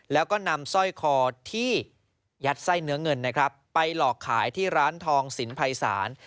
แล้วก็นำสร้อยคอที่ยัดไส้เนื้อเงินนะครับไปหลอกขายที่ร้านทองสินภัยศาล